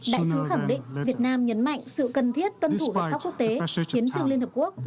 đại sứ khẳng định việt nam nhấn mạnh sự cần thiết tuân thủ luật pháp quốc tế hiến trương liên hợp quốc